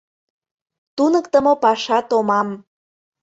Туныктымо паша томам.